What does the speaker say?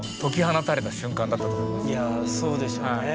いやそうでしょうね。